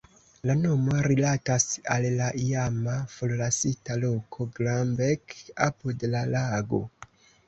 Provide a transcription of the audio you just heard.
La nomo rilatas al la iama forlasita loko "Glambek" apud la lago.